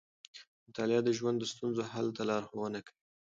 مطالعه د ژوند د ستونزو حل ته لارښونه کوي.